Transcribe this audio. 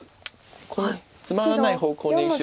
このつまらない方向に。